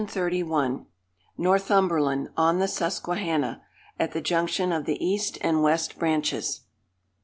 NORTHUMBERLAND, ON THE SUSQUEHANNA. (AT THE JUNCTION OF THE EAST AND WEST BRANCHES.)